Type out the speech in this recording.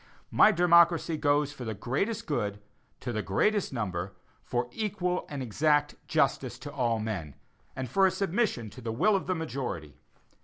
My democracy goes for the greatest good to the greatest number, for equal and exact justice to all men, and for a submission to the will of the majority.